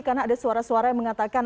karena ada suara suara yang mengatakan